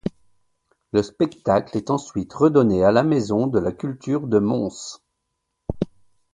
Le spectacle est ensuite redonné à la maison de la culture de Mons.